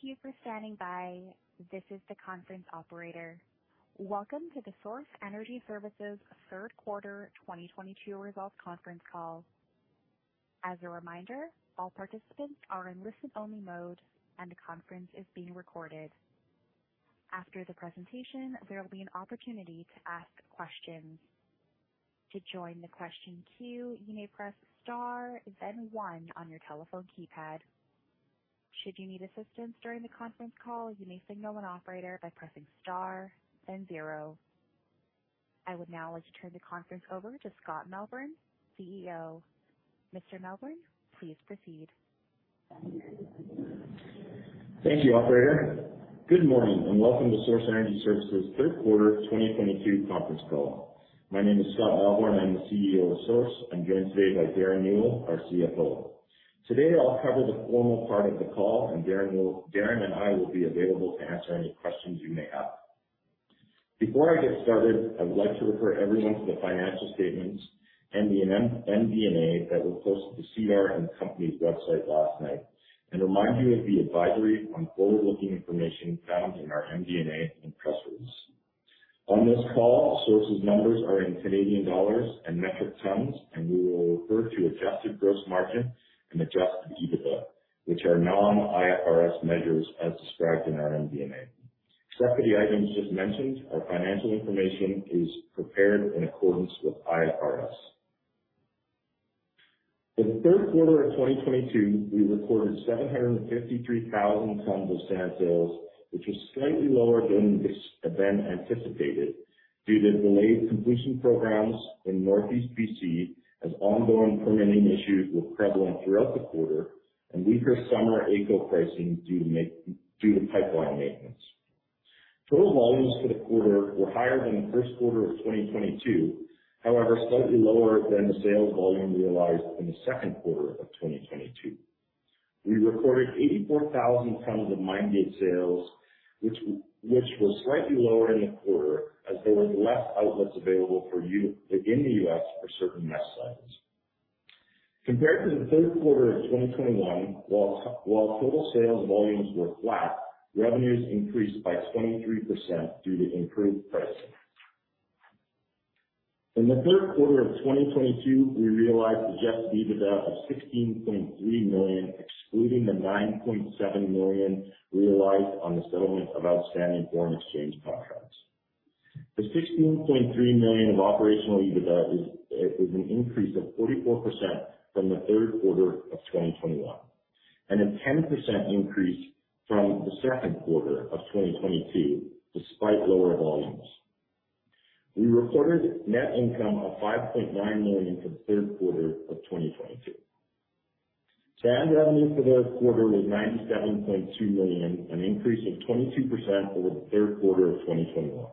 Thank you for standing by. This is the conference operator. Welcome to the Source Energy Services Q3 2022 results conference call. As a reminder, all participants are in listen only mode and the conference is being recorded. After the presentation, there will be an opportunity to ask questions. To join the question queue, you may press star then one on your telephone keypad. Should you need assistance during the conference call, you may signal an operator by pressing star then zero. I would now like to turn the conference over to Scott Melbourn, CEO. Mr. Melbourn, please proceed. Thank you, operator. Good morning and welcome to Source Energy Services Q3 2022 conference call. My name is Scott Melbourn. I'm the CEO of Source. I'm joined today by Derren Newell, our CFO. Today I'll cover the formal part of the call and Derren and I will be available to answer any questions you may have. Before I get started, I would like to refer everyone to the financial statements and the MD&A that was posted to SEDAR and the company's website last night and remind you of the advisory on forward-looking information found in our MD&A and press release. On this call, Source's numbers are in Canadian dollars and metric tons, and we will refer to Adjusted Gross Margin and Adjusted EBITDA, which are non-IFRS measures as described in our MD&A. Subject to the items just mentioned, our financial information is prepared in accordance with IFRS. For the Q3 of 2022, we recorded 753,000 tons of sand sales, which was slightly lower than anticipated due to delayed completion programs in Northeast BC, as ongoing permitting issues were prevalent throughout the quarter and weaker summer AECO pricing due to pipeline maintenance. Total volumes for the quarter were higher than the Q1 of 2022, however slightly lower than the sales volume realized in the Q2 of 2022. We recorded 84,000 tons of Mine Gate Sales, which were slightly lower in the quarter as there were less outlets available in the US for certain mesh sizes. Compared to the Q3 of 2021, while total sales volumes were flat, revenues increased by 23% due to improved pricing. In the Q3 of 2022, we realized Adjusted EBITDA of 16.3 million, excluding the 9.7 million realized on the settlement of outstanding foreign exchange contracts. The 16.3 million of operational EBITDA is an increase of 44% from the Q3 of 2021, and a 10% increase from the Q2 of 2022 despite lower volumes. We recorded net income of 5.9 million for the Q3 of 2022. Sand revenue for the quarter was 97.2 million, an increase of 22% over the Q3 of 2021.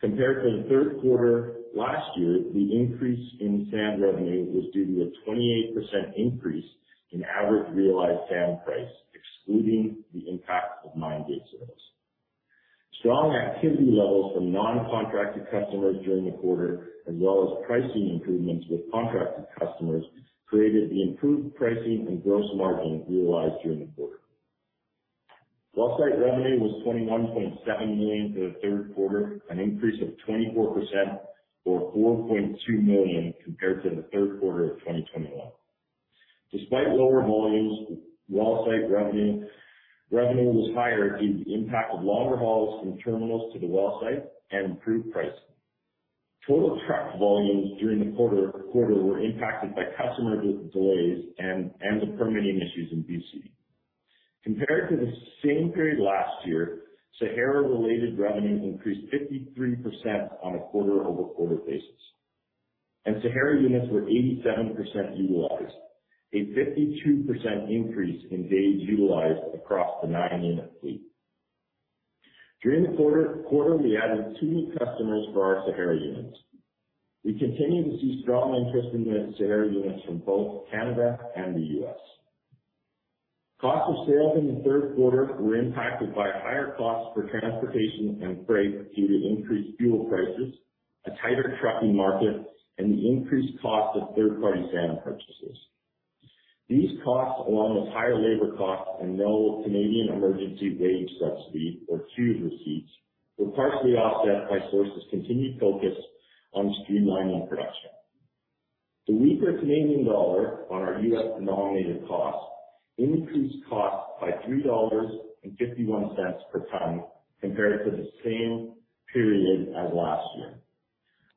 Compared to the Q3 last year, the increase in sand revenue was due to a 28% increase in average realized sand price, excluding the impact of Mine Gate Sales. Strong activity levels from non-contracted customers during the quarter as well as pricing improvements with contracted customers created the improved pricing and gross margin realized during the quarter. Well site revenue was 21.7 million for the Q3, an increase of 24% or 4.2 million compared to the Q3 of 2021. Despite lower volumes, well site revenue was higher due to the impact of longer hauls from terminals to the well site and improved pricing. Total truck volumes during the quarter were impacted by customer delays and the permitting issues in BC. Compared to the same period last year, Sahara-related revenue increased 53% on a quarter-over-quarter basis. Sahara Units were 87% utilized, a 52% increase in days utilized across the 9-unit fleet. During the quarter we added two new customers for our Sahara Units. We continue to see strong interest in the Sahara Units from both Canada and the U.S. Cost of sales in the Q3 were impacted by higher costs for transportation and freight due to increased fuel prices, a tighter trucking market and the increased cost of third-party sand purchases. These costs, along with higher labor costs and no Canada Emergency Wage Subsidy or CEWS receipts, were partially offset by Source's continued focus on streamlining production. The weaker Canadian dollar on our US denominated cost increased costs by 3.51 dollars per ton compared to the same period as last year.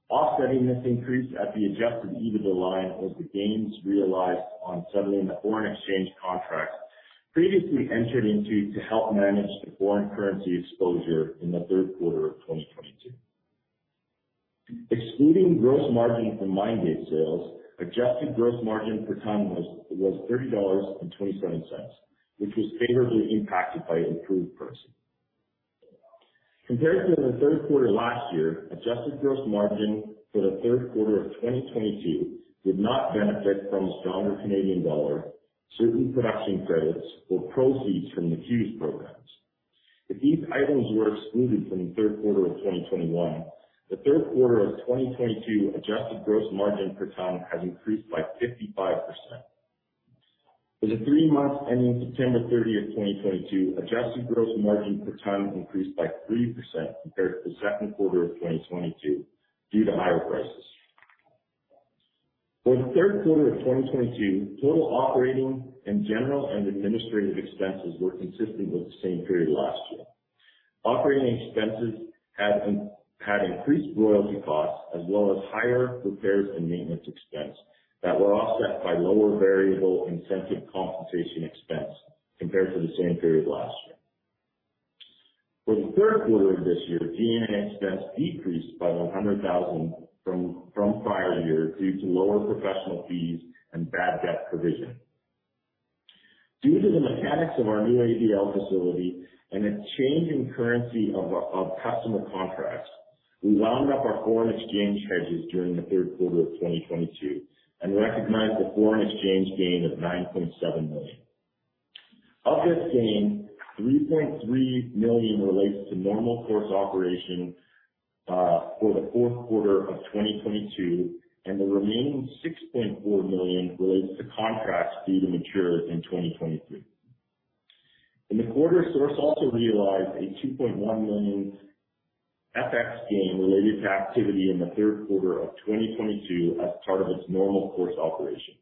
Offsetting this increase at the Adjusted EBITDA line was the gains realized on settling the foreign exchange contracts previously entered into to help manage the foreign currency exposure in the Q3 of 2022. Excluding gross margin from Mine Gate Sales, Adjusted Gross Margin per ton was 30.27 dollars, which was favorably impacted by improved pricing. Compared to the Q3 last year, Adjusted Gross Margin for the Q3 of 2022 did not benefit from a stronger Canadian dollar, certain production credits or proceeds from the CEWS program. If these items were excluded from the Q3 of 2021, the Q3 of 2022 Adjusted Gross Margin per ton has increased by 55%. For the three months ending September 30, 2022, Adjusted Gross Margin per ton increased by 3% compared to the Q2 of 2022 due to higher prices. For the Q3 of 2022, total operating and general and administrative expenses were consistent with the same period last year. Operating expenses had increased royalty costs as well as higher repairs and maintenance expense that were offset by lower variable incentive compensation expense compared to the same period last year. For the Q3 of this year, G&A expense decreased by 100,000 from prior year due to lower professional fees and bad debt provision. Due to the mechanics of our new ABL facility and a change in currency of customer contracts, we wound up our foreign exchange hedges during the Q3 of 2022 and recognized a foreign exchange gain of 9.7 million. Of this gain, 3.3 million relates to normal course operations for the Q4 of 2022, and the remaining 6.4 million relates to contracts due to mature in 2023. In the quarter, Source also realized a 2.1 million FX gain related to activity in the Q3 of 2022 as part of its normal course operation,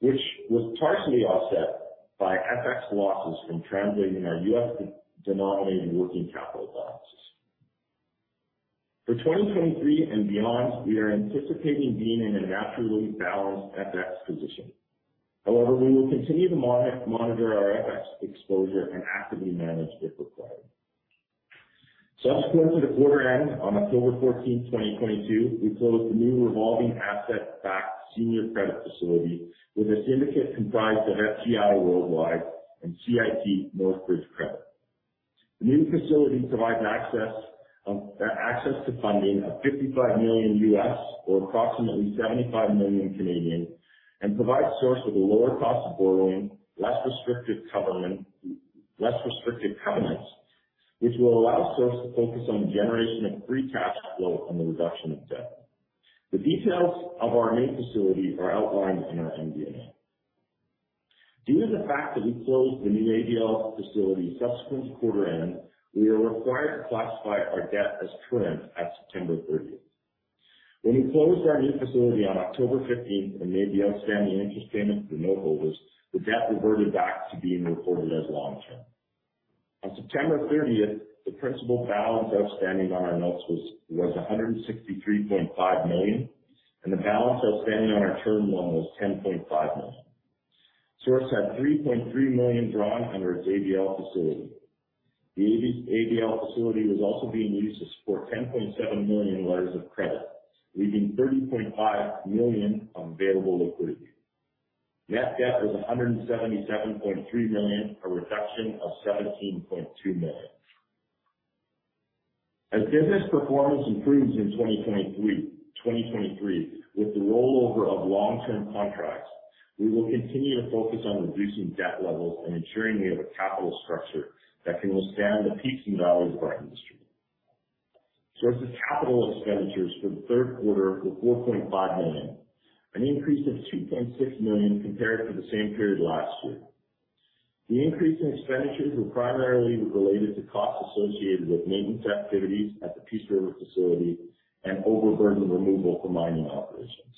which was partially offset by FX losses from translating our US dollar-denominated working capital balances. For 2023 and beyond, we are anticipating being in a naturally balanced FX position. However, we will continue to monitor our FX exposure and actively manage if required. Subsequent to the quarter end, on October 14, 2022, we closed a new revolving asset-backed senior credit facility with a syndicate comprised of FCI Worldwide and CIT Northbridge Credit. The new facility provides access to funding of $55 million or approximately 75 million, and provides Source with a lower cost of borrowing, less restrictive covenants, which will allow Source to focus on the generation of free cash flow and the reduction of debt. The details of our new facility are outlined in our MD&A. Due to the fact that we closed the new ABL facility subsequent to quarter end, we are required to classify our debt as current at September 30. When we closed our new facility on October 15th and made the outstanding interest payment to the noteholders, the debt reverted back to being reported as long term. On September 30th, the principal balance outstanding on our notes was 163.5 million, and the balance outstanding on our term loan was 10.5 million. Source had 3.3 million drawn under its ABL facility. The ABL facility was also being used to support 10.7 million letters of credit, leaving 13.5 Million available liquidity. Net debt was 177.3 million, a reduction of 17.2 million. As business performance improves in 2023, with the rollover of long-term contracts, we will continue to focus on reducing debt levels and ensuring we have a capital structure that can withstand the peaks and valleys of our industry. Source's capital expenditures for the Q3 were 4.5 million, an increase of 2.6 million compared to the same period last year. The increase in expenditures were primarily related to costs associated with maintenance activities at the Peace River facility and overburden removal for mining operations.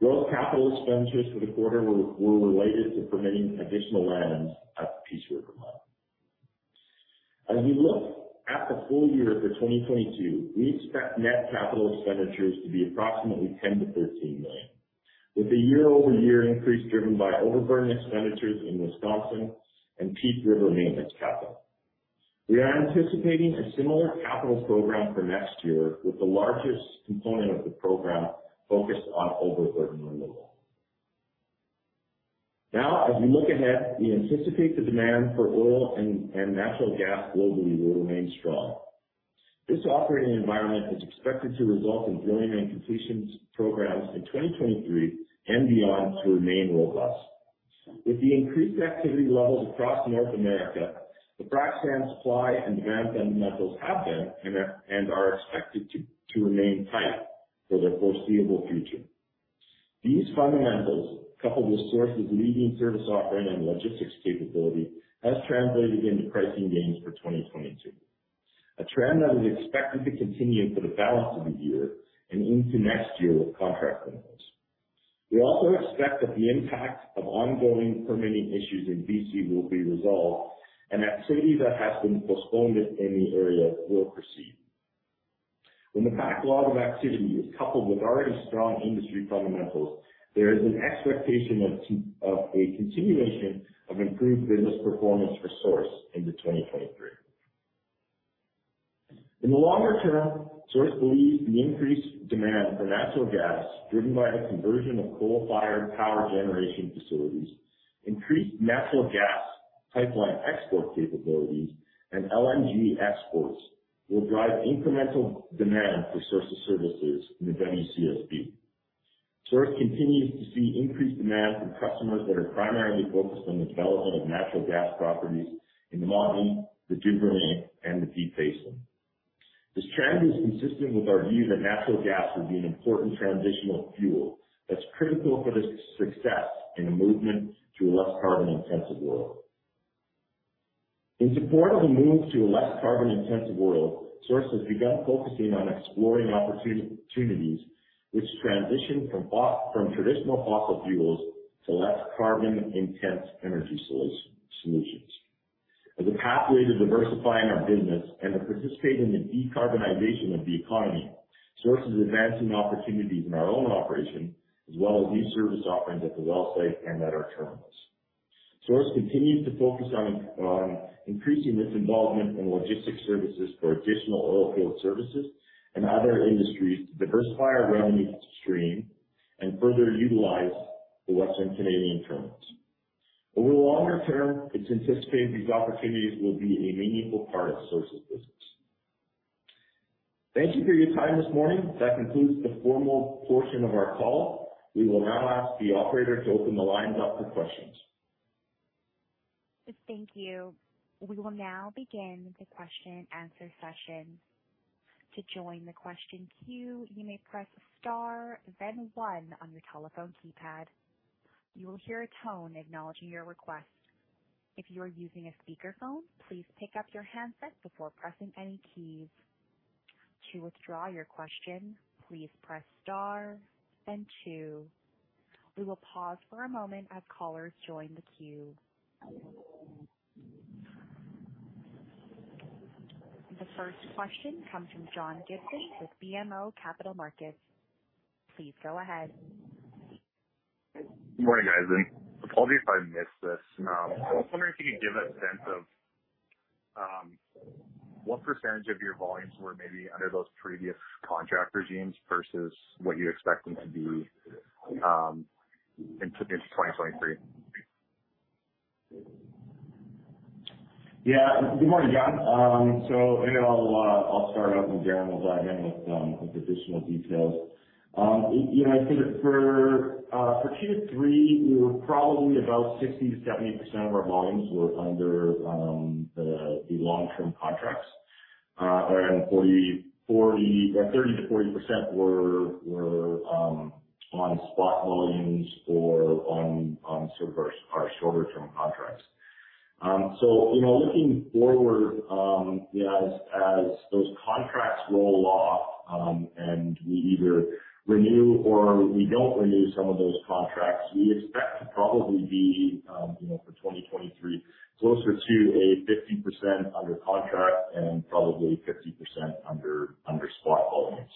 Those capital expenditures for the quarter were related to permitting additional lands at the Peace River mine. As we look at the full year for 2022, we expect net capital expenditures to be approximately 10 million-13 million, with a year-over-year increase driven by overburden expenditures in Wisconsin and Peace River maintenance capital. We are anticipating a similar capital program for next year, with the largest component of the program focused on overburden removal. Now, as we look ahead, we anticipate the demand for oil and natural gas globally will remain strong. This operating environment is expected to result in drilling and completions programs in 2023 and beyond to remain robust. With the increased activity levels across North America, the frac sand supply and demand fundamentals have been and are expected to remain tight for the foreseeable future. These fundamentals, coupled with Source's leading service offering and logistics capability, has translated into pricing gains for 2022, a trend that is expected to continue for the balance of the year and into next year with contract renewals. We also expect that the impact of ongoing permitting issues in BC will be resolved and that activity that has been postponed in the area will proceed. When the backlog of activity is coupled with already strong industry fundamentals, there is an expectation of a continuation of improved business performance for Source into 2023. In the longer term, Source believes the increased demand for natural gas driven by the conversion of coal-fired power generation facilities, increased natural gas pipeline export capabilities, and LNG exports will drive incremental demand for Source's services in the WCSB. Source continues to see increased demand from customers that are primarily focused on the development of natural gas properties in the Montney, the Duvernay, and the Deep Basin. This trend is consistent with our view that natural gas will be an important transitional fuel that's critical for the success in a movement to a less carbon-intensive world. In support of the move to a less carbon-intensive world, Source has begun focusing on exploring opportunities which transition from traditional fossil fuels to less carbon-intensive energy solutions. As a pathway to diversifying our business and to participate in the decarbonization of the economy, Source is advancing opportunities in our own operation as well as new service offerings at the well site and at our terminals. Source continues to focus on increasing its involvement in logistics services for additional oil field services and other industries to diversify our revenue stream and further utilize the Western Canadian terminals. Over the longer term, it's anticipated these opportunities will be a meaningful part of Source's business. Thank you for your time this morning. That concludes the formal portion of our call. We will now ask the operator to open the lines up for questions. Thank you. We will now begin the question-answer session. To join the question queue, you may press star then one on your telephone keypad. You will hear a tone acknowledging your request. If you are using a speakerphone, please pick up your handset before pressing any keys. To withdraw your question, please press star then two. We will pause for a moment as callers join the queue. The first question comes from John Gibson with BMO Capital Markets. Please go ahead. Good morning, guys, and apologies if I missed this. I was wondering if you could give a sense of what percentage of your volumes were maybe under those previous contract regimes versus what you expect them to be into 2023. Yeah. Good morning, John. So maybe I'll start off and Darren will dive in with additional details. You know, I think for Q3, we were probably about 60%-70% of our volumes were under the long-term contracts, and 30%-40% were on spot volumes or on our shorter-term contracts. You know, looking forward, you know, as those contracts roll off, and we either renew or we don't renew some of those contracts, we expect to probably be, you know, for 2023, closer to 50% under contract and probably 50% under spot volumes.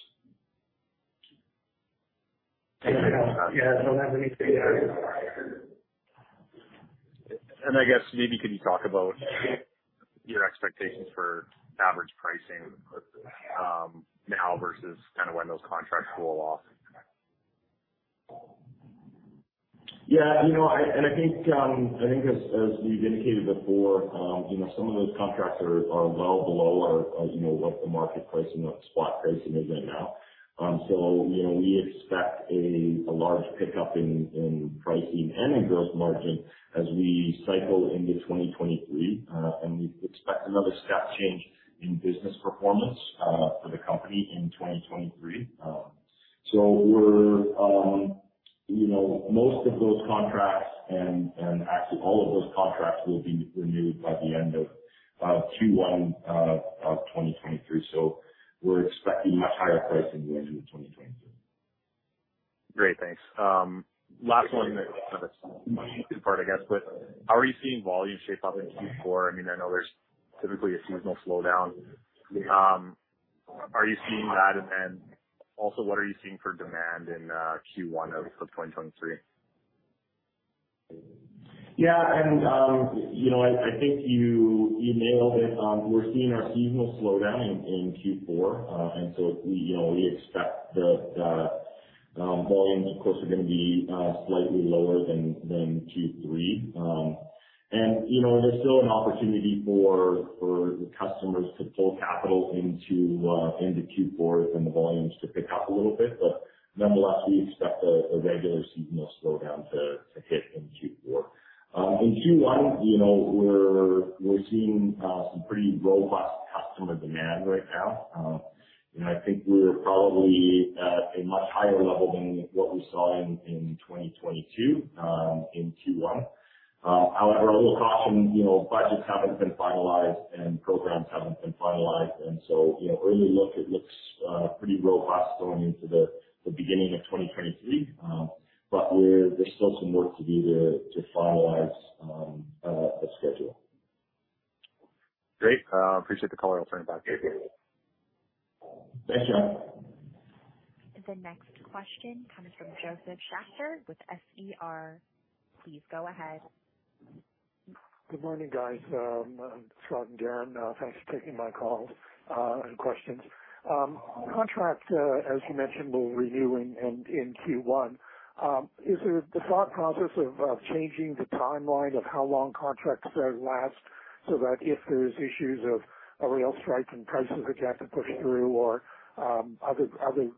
Yeah, I don't have anything to add. I guess maybe can you talk about your expectations for average pricing now versus kinda when those contracts roll off? Yeah. You know, I think as we've indicated before, you know, some of those contracts are well below our you know what the market pricing, what the spot pricing is right now. You know, we expect a large pickup in pricing and in gross margin as we cycle into 2023, and we expect another step change in business performance for the company in 2023. You know, most of those contracts and actually all of those contracts will be renewed by the end of Q1 of 2023. We're expecting much higher pricing going into 2023. Great. Thanks. Last one, I guess, but how are you seeing volume shape up in Q4? I mean, I know there's typically a seasonal slowdown. Are you seeing that? Then also what are you seeing for demand in Q1 of 2023? Yeah. You know, I think you nailed it. We're seeing our seasonal slowdown in Q4. We expect that volumes of course are gonna be slightly lower than Q3. You know, there's still an opportunity for customers to pull capital into Q4 and the volumes to pick up a little bit, but nonetheless, we expect a regular seasonal slowdown to hit in Q4. In Q1, you know, we're seeing some pretty robust customer demand right now. You know, I think we're probably at a much higher level than what we saw in 2022 in Q1. However, a little caution, you know, budgets haven't been finalized and programs haven't been finalized, and so, you know, early look, it looks pretty robust going into the beginning of 2023, but there's still some work to do to finalize a schedule. Great. Appreciate the color. I'll turn it back to you. Thanks, John. The next question comes from Josef Schachter with SER. Please go ahead. Good morning guys. Rod and Derren, thanks for taking my call and questions. Contract, as you mentioned, we'll review in Q1. Is there the thought process of changing the timeline of how long contracts last so that if there's issues of a rail strike and prices that you have to push through or other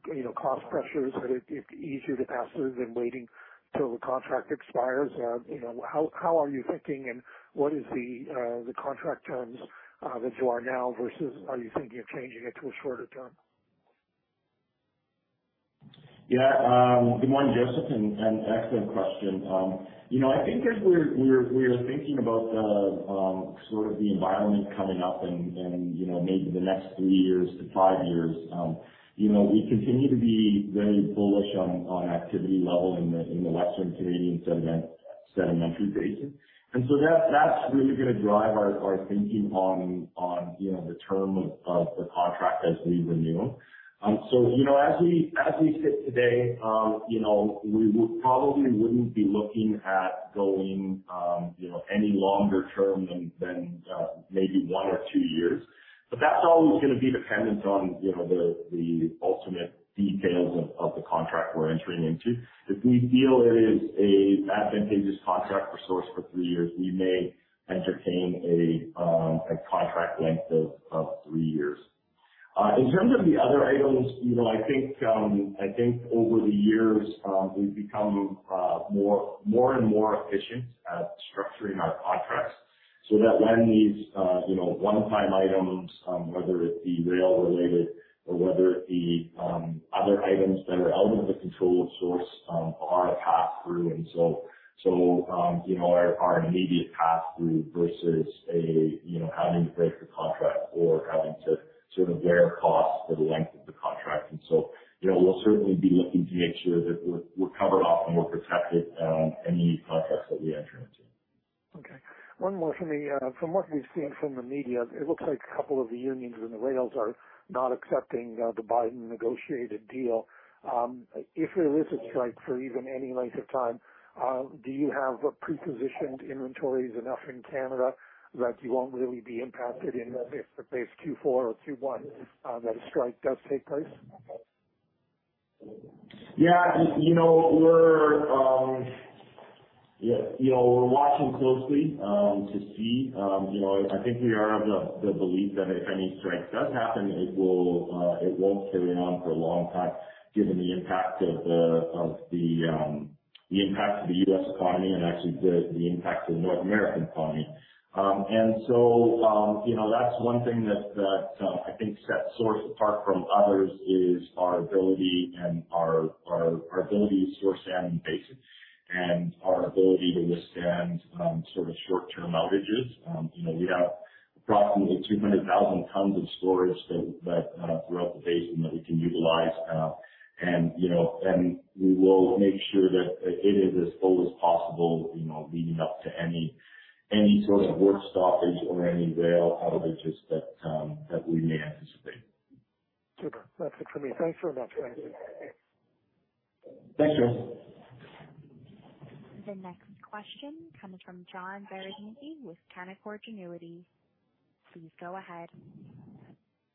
you know cost pressures that it'd be easier to pass through than waiting till the contract expires? You know, how are you thinking, and what is the contract terms that you are now versus are you thinking of changing it to a shorter term? Yeah. Good morning, Josef, and excellent question. You know, I think as we're thinking about the sort of the environment coming up and, you know, maybe the next three years to five years, you know, we continue to be very bullish on activity level in the Western Canadian Sedimentary Basin. That's really gonna drive our thinking on, you know, the term of the contract as we renew. You know, as we sit today, you know, we would probably wouldn't be looking at going, you know, any longer term than maybe one or two years. That's always gonna be dependent on, you know, the ultimate details of the contract we're entering into. If we feel it is an advantageous contract for Source for three years, we may entertain a contract length of three years. In terms of the other items, you know, I think I think over the years, we've become more and more efficient at structuring our contracts so that when these, you know, one-time items, whether it be rail related or whether it be other items that are out of the control of Source, are a pass through. So you know are an immediate pass through versus a you know having to break the contract or having to sort of bear costs for the length of the contract. You know, we'll certainly be looking to make sure that we're covered off and we're protected any contracts that we enter into. From what we've seen from the media, it looks like a couple of the unions in the rails are not accepting the Biden negotiated deal. If there is a strike for even any length of time, do you have prepositioned inventories enough in Canada that you won't really be impacted, if say, in Q4 or Q1 that a strike does take place? Yeah. You know, we're watching closely to see. You know, I think we are of the belief that if any strike does happen, it won't carry on for a long time given the impact to the U.S. economy and actually the impact to the North American economy. You know, that's one thing that I think sets Source apart from others is our ability to source sand in the basin and our ability to withstand sort of short-term outages. You know, we have approximately 200,000 tons of storage throughout the basin that we can utilize. You know, we will make sure that it is as full as possible, you know, leading up to any sort of work stoppage or any rail outages that we may anticipate. Super. That's it for me. Thanks very much. Thanks, Josef. The next question comes from John Barone with Canaccord Genuity. Please go ahead.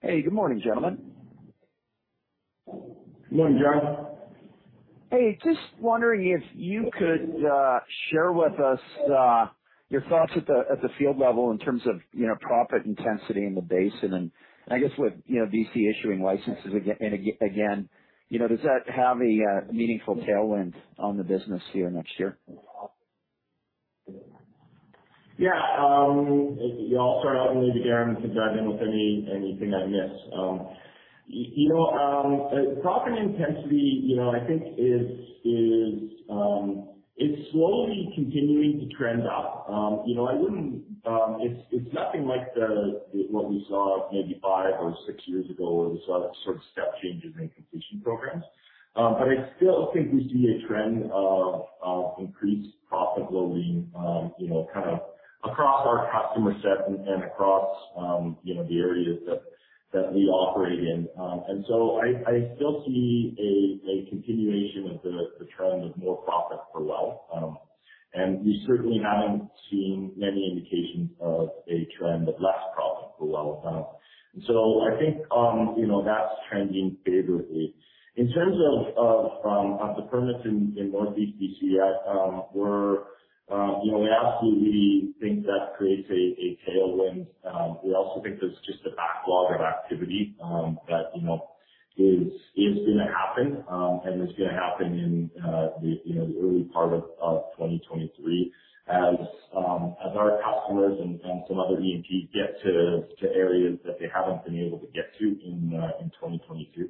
Hey, good morning, gentlemen. Good morning, John. Hey, just wondering if you could share with us your thoughts at the field level in terms of, you know, proppant intensity in the basin. I guess with, you know, BC issuing licenses again, you know, does that have a meaningful tailwind on the business here next year? Yeah. I'll start off and maybe Derren can dive in with anything I miss. You know, proppant intensity, you know, I think is slowly continuing to trend up. You know, I wouldn't. It's nothing like what we saw maybe five or six years ago where we saw sort of step changes in completion programs. But I still think we see a trend of increased proppant loading, you know, kind of across our customer set and across, you know, the areas that we operate in. And so I still see a continuation of the trend of more proppant per well. And we certainly haven't seen any indications of a trend of less proppant per well. And so I think, you know, that's trending favorably. In terms of the permits in Northeast B.C., we're, you know, we absolutely think that creates a tailwind. We also think there's just a backlog of activity, that, you know, is gonna happen, and is gonna happen in the, you know, the early part of 2023 as our customers and some other E&Ps get to areas that they haven't been able to get to in 2022.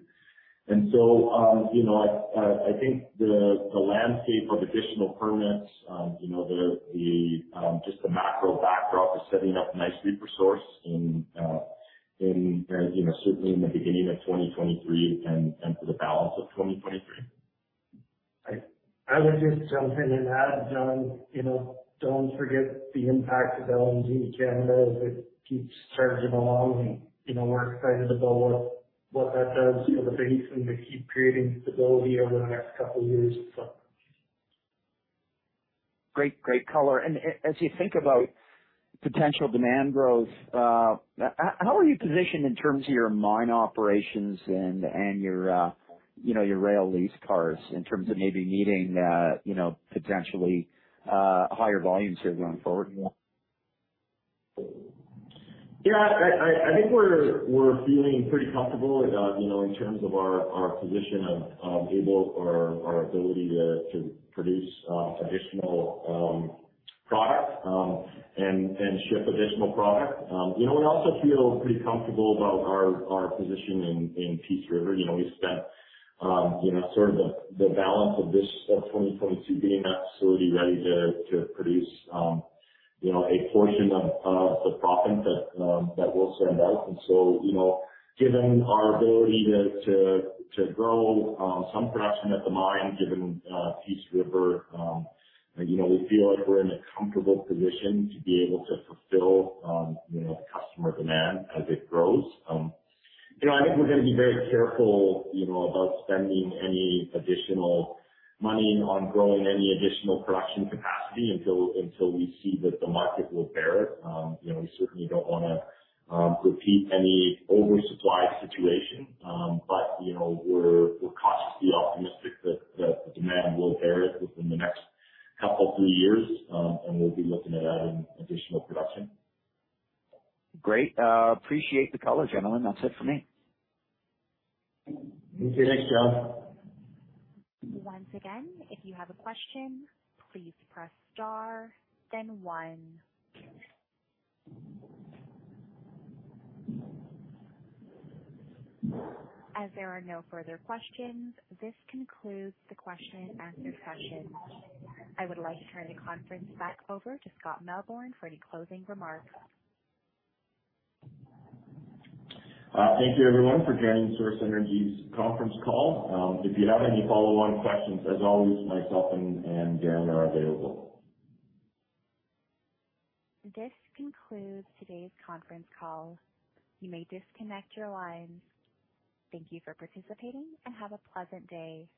You know, I think the landscape of additional permits, you know, the macro backdrop is setting up nicely for Source in, you know, certainly in the beginning of 2023 and for the balance of 2023. I would just jump in and add, John, you know, don't forget the impact of LNG in Canada as it keeps chugging along. You know, we're excited about what that does. You know, the basin's going to keep creating stability over the next couple years or so. Great. Great color. As you think about potential demand growth, how are you positioned in terms of your mine operations and your, you know, your rail lease cars in terms of maybe needing, you know, potentially higher volumes here going forward? Yeah, I think we're feeling pretty comfortable, you know, in terms of our position or our ability to produce additional product and ship additional product. You know, we also feel pretty comfortable about our position in Peace River. You know, we spent sort of the balance of this 2022 getting that facility ready to produce a portion of the proppant that we'll send out. You know, given our ability to grow some production at the mine, given Peace River, you know, we feel like we're in a comfortable position to be able to fulfill customer demand as it grows. I think we're gonna be very careful, you know, about spending any additional money on growing any additional production capacity until we see that the market will bear it. You know, we certainly don't wanna repeat any oversupply situation. You know, we're cautiously optimistic that the demand will bear it within the next couple, three years. We'll be looking at adding additional production. Great. Appreciate the color, gentlemen. That's it for me. Okay. Thanks, John. Once again, if you have a question, please press star then one. As there are no further questions, this concludes the question and answer session. I would like to turn the conference back over to Scott Melbourn for any closing remarks. Thank you everyone for joining Source Energy's conference call. If you have any follow-on questions, as always, myself and Derren are available. This concludes today's conference call. You may disconnect your lines. Thank you for participating and have a pleasant day.